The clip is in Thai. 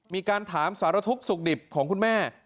มีการถามสารทุกข์สุขดิบของคุณแม่